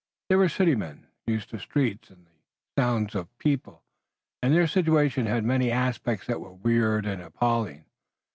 They were city men, used to the streets and the sounds of people, and their situation had many aspects that were weird and appalling.